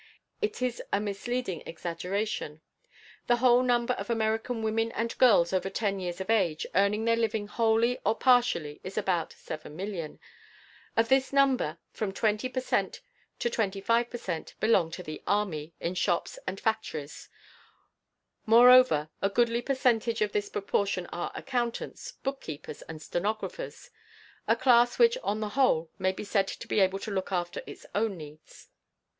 It is a misleading exaggeration. The whole number of American women and girls over ten years of age earning their living wholly or partially is about 7,000,000. Of this number from 20 per cent to 25 per cent belong to the "army" in shops and factories; moreover, a goodly percentage of this proportion are accountants, bookkeepers, and stenographers, a class which on the whole may be said to be able to look after its own needs.